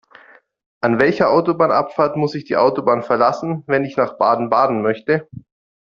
An welcher Autobahnabfahrt muss ich die Autobahn verlassen, wenn ich nach Baden-Baden möchte?